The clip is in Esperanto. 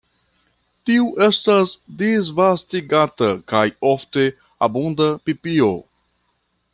Tiu estas disvastigata kaj ofte abunda pipio.